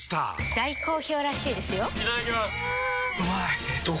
大好評らしいですよんうまい！